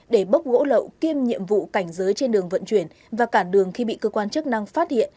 để bốc gỗ lậu kiêm nhiệm vụ cảnh giới trên đường vận chuyển và cản đường khi bị cơ quan chức năng phát hiện